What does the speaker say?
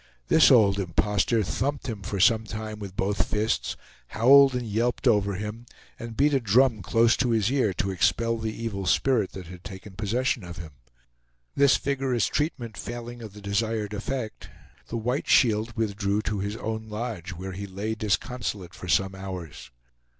This old imposter thumped him for some time with both fists, howled and yelped over him, and beat a drum close to his ear to expel the evil spirit that had taken possession of him. This vigorous treatment failing of the desired effect, the White Shield withdrew to his own lodge, where he lay disconsolate for some hours.